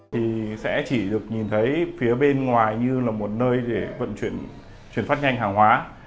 thì sẽ chỉ được nhìn thấy phía bên ngoài như là một nơi để vận chuyển chuyển phát nhanh hàng hóa